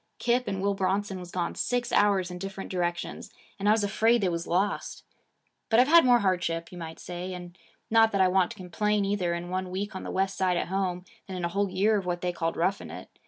Kip and Will Bronson was gone six hours in different directions; and I was afraid they was lost. But I've had more hardship, you might say, and not that I want to complain either, in one week on the West Side at home, than in a whole year of what they called roughing it.